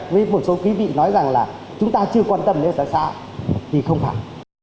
với một số quý vị nói rằng là chúng ta chưa quan tâm đến xã xã thì không phải